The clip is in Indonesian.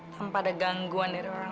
simpel aja deh